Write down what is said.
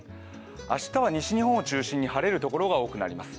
明日は西日本を中心に晴れるところが多くなります。